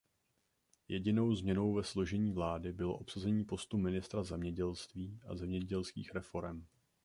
Jedinou změnou ve složení vlády bylo obsazení postu ministra zemědělství a zemědělských reforem.